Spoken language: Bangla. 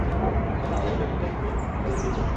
তখন আমাদের গোত্রের প্রত্যেকে আমাদের উপর জুলুম করেছে।